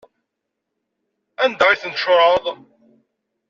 Anda ay ten-tcuṛɛeḍ?